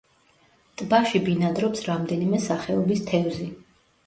ტბაში ბინადრობს რამდენიმე სახეობის თევზი.